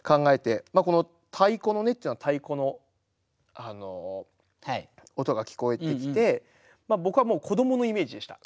この「太鼓の音」っていうのは太鼓の音が聞こえてきて僕はもう子どものイメージでした。